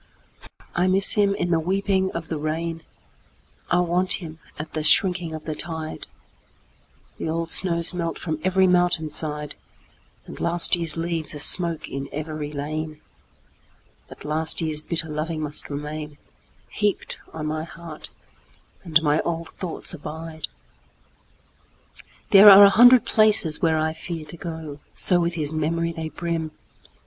I miss him in the weeping of the rain;I want him at the shrinking of the tide; The old snows melt from every mountain side, And last year's leaves are smoke in every lane; But last year's bitter loving must remainHeaped on my heart, and my old thoughts abide! There are a hundred places where I fearTo go,—so with his memory they brim!